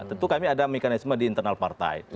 tentu kami ada mekanisme di internal partai